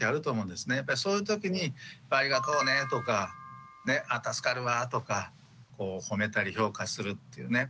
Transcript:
そういうときに「ありがとうね」とか「あ助かるわ」とかほめたり評価するっていうね